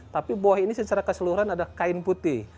tapi boeh ini secara keseluruhan adalah kain putih